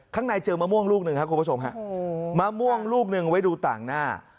ข้างในเจอมะม่วงลูกหนึ่งครับคุณผู้ชมฮะมะม่วงลูกหนึ่งไว้ดูต่างหน้า